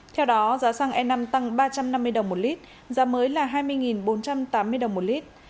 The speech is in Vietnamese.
theo đó giá xăng e năm tăng ba trăm năm mươi đồng một lít giá mới là hai mươi bốn trăm tám mươi đồng một lít